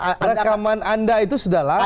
rekaman anda itu sudah lama